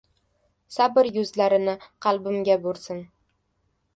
Sabr yuzlarini qalbimga bursin